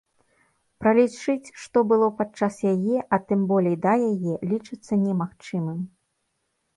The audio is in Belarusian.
Пралічыць, што было падчас яе, а тым болей да яе, лічыцца немагчымым.